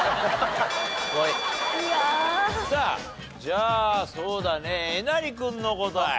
さあじゃあそうだねえなり君の答え。